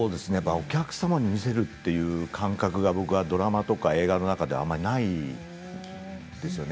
お客様に見せるという感覚は、ドラマとか映画の中ではないんですよね。